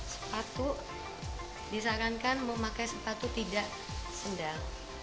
sepatu disarankan memakai sepatu tidak sendal